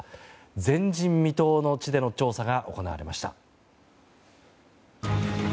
前人未到の地での調査が行われました。